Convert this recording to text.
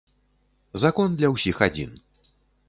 Закон для ўсіх адзін.